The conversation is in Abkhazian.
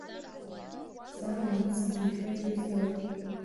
Заанаҵы зегьы ишәоит-изоит.